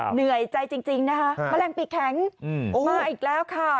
เหนื่อยใจจริงนะคะแมลงปีกแข็งมาอีกแล้วค่ะ